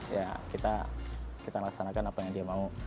ya kita laksanakan apa yang dia mau